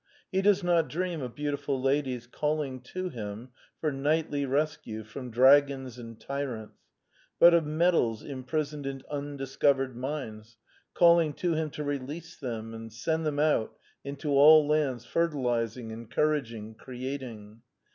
He does not dream of beautiful ladies calling to him for knightly rescue from dragons and tyrants, but of metals imprisoned in undiscovered mines, calling to him to release them and send them out into all lands fertilizing, en couraging, creating.